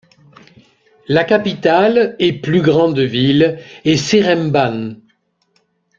La capitale et plus grande ville est Seremban.